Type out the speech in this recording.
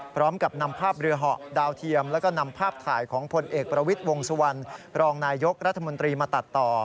พร้อมกับนำภาพเรือเหาะดาวเทียมแล้วก็นำภาพถ่ายของพลเอกประวิทย์วงสุวรรณรองนายยกรัฐมนตรีมาตัดต่อ